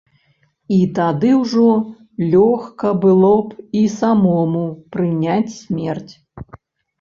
І тады ўжо лёгка было б і самому прыняць смерць.